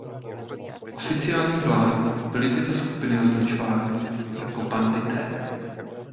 Oficiální vládou byly tyto skupiny označováni jako bandité.